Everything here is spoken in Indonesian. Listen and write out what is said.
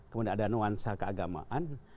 kemudian ada nuansa keagamaan